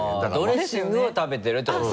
ドレッシングを食べてるってこと。